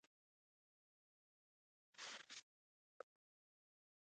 درباریانو تیمورشاه ته بلنې ورکولې.